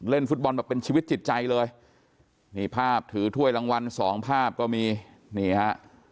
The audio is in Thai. ฟุตบอลแบบเป็นชีวิตจิตใจเลยนี่ภาพถือถ้วยรางวัลสองภาพก็มีนี่ฮะ